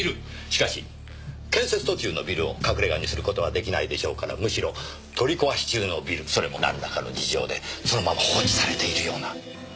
しかし建設途中のビルを隠れ家にする事はできないでしょうからむしろ取り壊し中のビルそれもなんらかの事情でそのまま放置されているような。